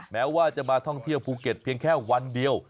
แม้ว่าจะมาท่องเที่ยวภูเก็ตเพียงแค่วันเดียว